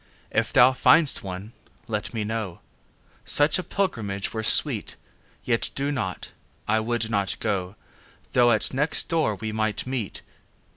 If thou find'st one let me know; Such a pilgrimage were sweet. Yet do not; I would not go, Though at next door we might meet.